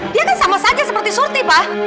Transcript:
dia kan sama saja seperti surti pak